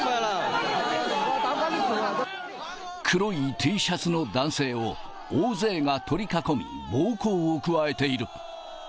黒いＴシャツの男性を大勢が取り囲み、暴行を加えている。